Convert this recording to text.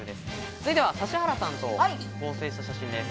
それでは指原さんと合成した写真です。